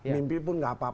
mimpi pun gak apa apa